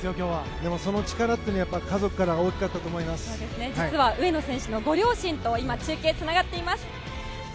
でも、その力は実は上野選手のご両親と中継つながっています。